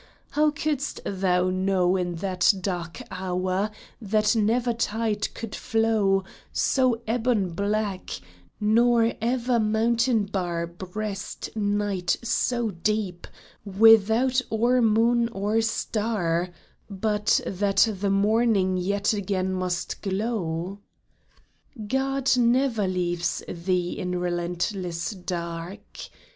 How couldst thou know In that dark hour, that never tide could flow So ebon black, nor ever mountain bar Breast night so deep, without or moon or star, But that the morning yet again must glow ? 284 SURPRISES God never leaves thee in relentless dark.